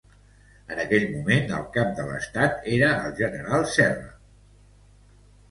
En aquell moment, el Cap de l'Estat era el general Serrano.